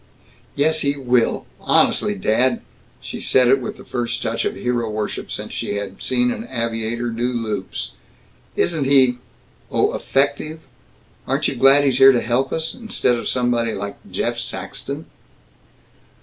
"Yes! He will! Honestly, dad " She said it with the first touch of hero worship since she had seen an aviator loop loops. "Isn't he, oh, effective! Aren't you glad he's here to help us, instead of somebody like Jeff Saxton?"